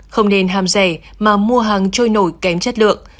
không nên hàm rẻ mà mua hàng trôi nổi kém chất lượng